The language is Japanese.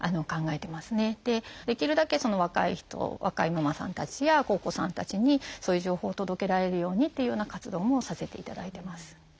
できるだけ若い人若いママさんたちやお子さんたちにそういう情報を届けられるようにっていうような活動もさせていただいてます。